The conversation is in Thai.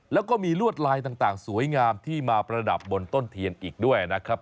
แล้วก็มีลวดลายต่างสวยงามที่มาประดับบนต้นเทียนอีกด้วยนะครับ